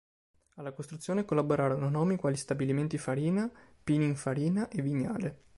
Alla costruzione collaborarono nomi quali Stabilimenti Farina, Pininfarina e Vignale.